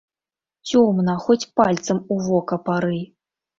Цёмна, хоць пальцам у вока пары.